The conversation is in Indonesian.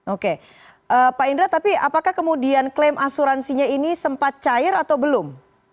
oke pak indra tapi apakah kemudian klaim asuransinya ini sempat cair atau belum